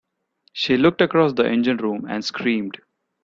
She looked across the engine room and screamed.